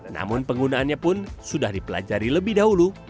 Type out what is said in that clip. namun penggunaannya pun sudah dipelajari lebih dahulu